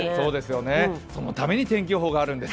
そのために天気予報があるんです。